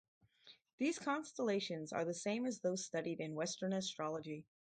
These constellations are the same as those studied in Western astrology.